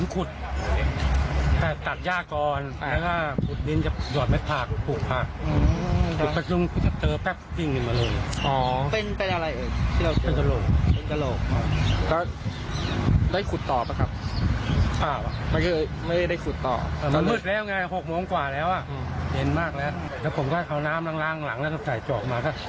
ขึ้นมาเลยครับมาช่างหลังแล้วต้องจ่ายจอกมานะครับ